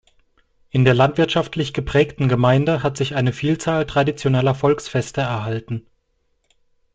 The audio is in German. In der landwirtschaftlich geprägten Gemeinde hat sich eine Vielzahl traditioneller Volksfeste erhalten.